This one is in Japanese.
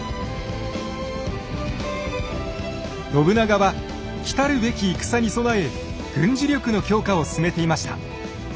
信長は来るべき戦に備え軍事力の強化を進めていました。